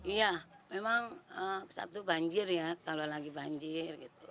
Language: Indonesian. iya memang sabtu banjir ya kalau lagi banjir gitu